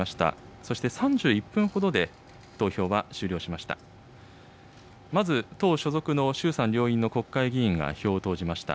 そして３１分ほどで投票は終了しました。